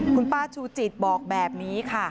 คุณป้าชูจิตบอกแบบนี้ค่ะ